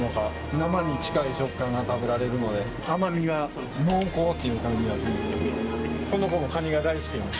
生に近い食感が食べられるので甘味が濃厚っていう感じがします